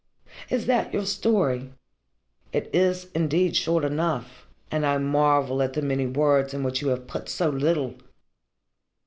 Is that your story? It is indeed short enough, and I marvel at the many words in which you have put so little!"